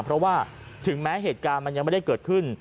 เพราะว่าถึงแม้เหตุการณ์มันยังไม่ได้เกิดขึ้น